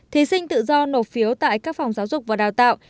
thí sinh tự do nộp phiếu tại các phòng giáo dục và đào tạo